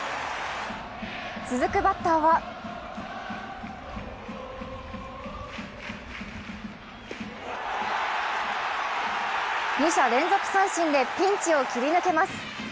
続くバッターは２者連続三振でピンチを切り抜けます。